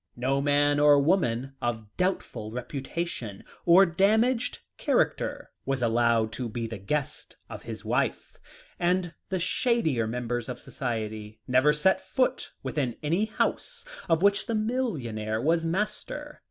No man or woman of doubtful reputation, or damaged character, was allowed to be the guest of his wife; and the shadier members of Society never set foot within any house of which the millionaire was master.